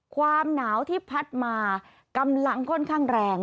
ความหนาวที่พัดมากำลังค่อนข้างแรง